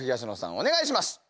お願いします。